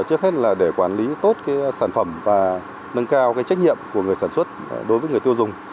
trước hết là để quản lý tốt sản phẩm và nâng cao trách nhiệm của người sản xuất đối với người tiêu dùng